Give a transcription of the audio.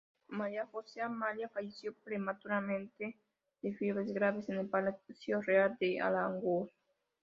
María Josefa Amalia falleció prematuramente de fiebres graves en el Palacio Real de Aranjuez.